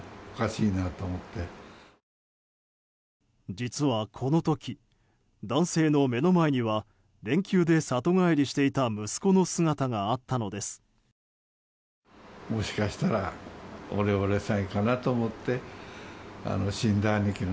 実はこの時男性の目の前には連休で里帰りしていた息子の姿があったのです。